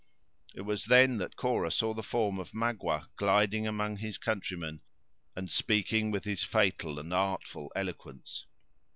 It was then that Cora saw the form of Magua gliding among his countrymen, and speaking with his fatal and artful eloquence.